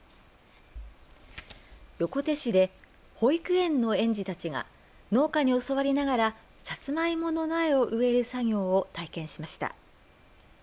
横手市で保育園の園児たちが農家に教わりながらサツマイモの苗を植える作業を体験しました。